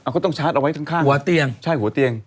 เขาต้องชาร์จเอาไว้ข้างหัวเตียงใช่หัวเตียง